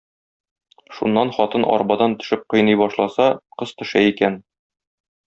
Шуннан хатын арбадан төшеп кыйный башласа, кыз төшә икән.